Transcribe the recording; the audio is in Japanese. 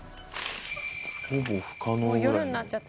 ほぼ不可能ぐらい。